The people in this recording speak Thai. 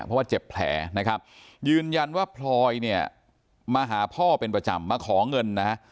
เพราะว่าเจ็บแผลนะครับยืนยันว่าพลอยเนี่ยมาหาพ่อเป็นประจำมาขอเงินนะฮะ